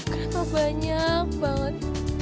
kenapa banyak banget